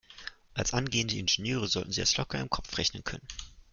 Als angehende Ingenieure sollten Sie das locker im Kopf rechnen können.